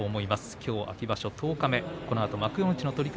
きょうは秋場所、十日目。